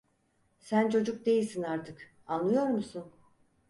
Sen çocuk değilsin artık, anlıyor musun?